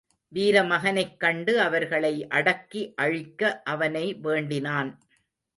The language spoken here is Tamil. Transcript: வீர மகனைக் கண்டு அவர்களை அடக்கி அழிக்க அவனை வேண்டினான்.